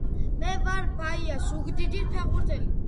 მე ვარ ბაია ზუგდიდის ფეხბურთელი